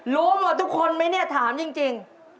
รู้หมดทุกคนไหมเนี่ยถามจริง